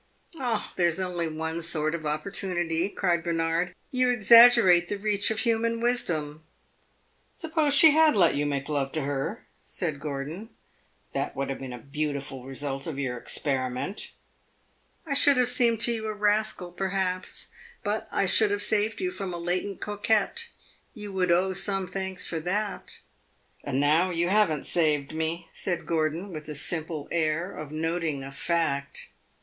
"Ah, there is only one sort of opportunity," cried Bernard. "You exaggerate the reach of human wisdom." "Suppose she had let you make love to her," said Gordon. "That would have been a beautiful result of your experiment." "I should have seemed to you a rascal, perhaps, but I should have saved you from a latent coquette. You would owe some thanks for that." "And now you have n't saved me," said Gordon, with a simple air of noting a fact.